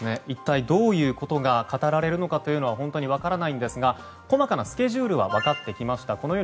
一体どういうことが語られるのかは本当に分からないんですが細かなスケジュールは分かってきました。